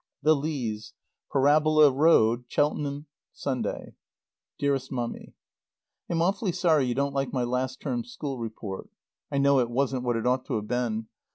THE LEAS. PARABOLA ROAD. CHELTENHAM, Sunday. DEAREST MUMMY: I'm awfully sorry you don't like my last term's school report. I know it wasn't what it ought to have been.